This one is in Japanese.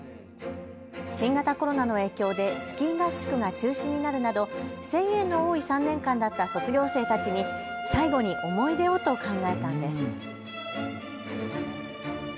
新型コロナの影響でスキー合宿が中止になるなど制限の多い３年間だった卒業生たちに最後に思い出をと考えたんです。